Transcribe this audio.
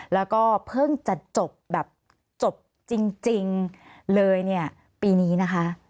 แล้วก็เพิ่งจะจบแบบจบจริงเลยเนี่ยปีนี้นะคะ